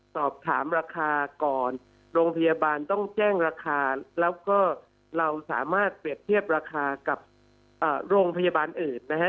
สอบถามราคาก่อนโรงพยาบาลต้องแจ้งราคาแล้วก็เราสามารถเปรียบเทียบราคากับโรงพยาบาลอื่นนะฮะ